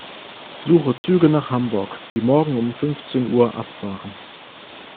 Suche Züge nach Hamburg, die morgen um fünfzehn Uhr abfahren.